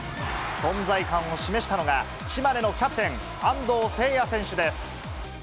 存在感を示したのが、島根のキャプテン、安藤誓哉選手です。